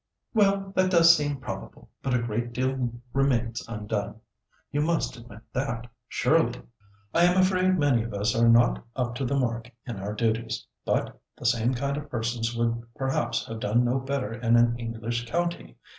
"Well, that does seem probable, but a great deal remains undone; you must admit that, surely?" "I am afraid many of us are not up to the mark in our duties, but the same kind of persons would perhaps have done no better in an English county.